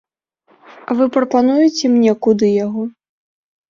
Вы прапануеце мне куды яго?